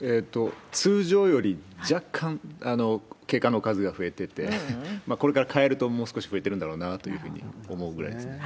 通常より若干警官の数が増えてて、これから帰ると、もう少し増えてるんだろうなというふうに思うぐらいですね。